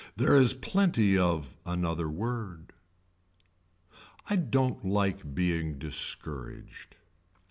There is plenty of another word. I don't like being discouraged.